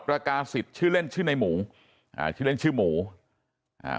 ประกาศิษย์ชื่อเล่นชื่อในหมูอ่าชื่อเล่นชื่อหมูอ่า